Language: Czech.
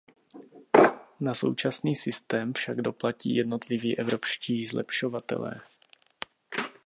Na současný systém však doplatí jednotliví evropští zlepšovatelé.